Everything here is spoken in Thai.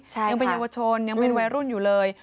ยังเป็นเยาวชนยังเป็นวัยรุ่นอยู่เลย